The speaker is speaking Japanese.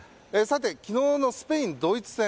昨日のスペイン、ドイツ戦。